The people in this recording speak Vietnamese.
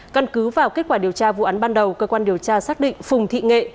căn cứ vào kết quả điều tra vụ án ban đầu cơ quan điều tra xác định phùng thị nghệ